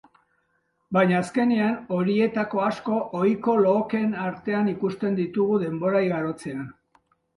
Baina, azkenean horietako asko ohiko looken artean ikusten ditugu denbora igarotzean.